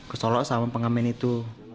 ke solo sama pengamen itu